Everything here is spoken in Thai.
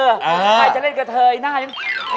ใครจะเล่นกับเธอไอ้หน้ามัน